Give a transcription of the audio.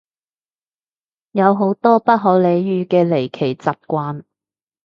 有好多不可理喻嘅離奇習慣